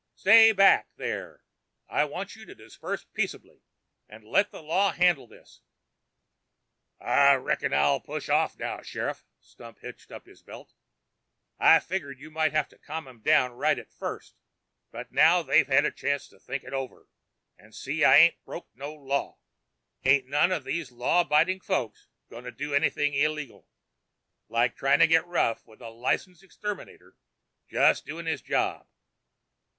"Stay back there! I want you to disperse, peaceably, and let the law handle this." "I reckon I'll push off now, Sheriff," Stump hitched up his belt. "I figgered you might have to calm 'em down right at first, but now they've had a chance to think it over and see I ain't broken no law, ain't none of these law abiding folks going to do anything illegal like tryin' to get rough with a licensed exterminator just doin' his job."